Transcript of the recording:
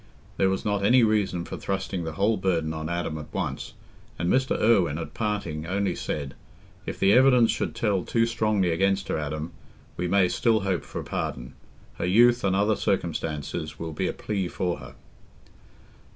There was not any reason for thrusting the whole burden on Adam at once, and Mr. Irwine, at parting, only said, "If the evidence should tell too strongly against her, Adam, we may still hope for a pardon. Her youth and other circumstances will be a plea for her."